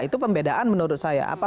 itu pembedaan menurut saya